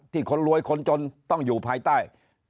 คนรวยคนจนต้องอยู่ภายใต้